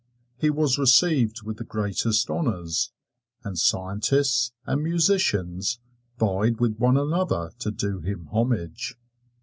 He was received with the greatest honors, and scientists and musicians vied with one another to do him homage.